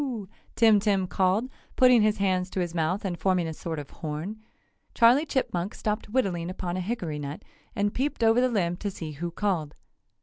Tim Tim called, putting his hands to his mouth and forming a sort of horn. Charley Chipmunk stopped whittling upon a hickory nut and peeped over the limb to see who called.